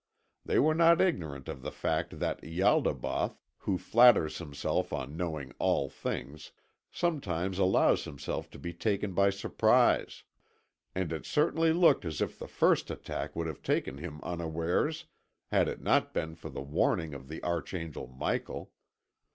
They were not ignorant of the fact that Ialdabaoth, who flatters himself on knowing all things, sometimes allows himself to be taken by surprise. And it certainly looked as if the first attack would have taken him unawares had it not been for the warning of the archangel Michael.